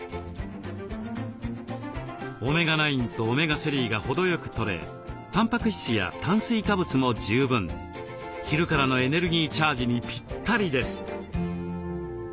オメガ９とオメガ３が程よくとれたんぱく質や炭水化物も十分昼からのエネルギーチャージにぴったりです。